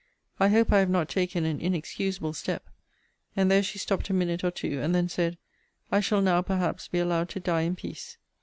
I hope I have not taken an inexcusable step And there she stopt a minute or two; and then said, I shall now, perhaps, be allowed to die in peace.